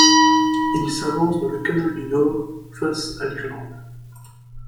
Il s'avance dans le canal du Nord, face à l'Irlande.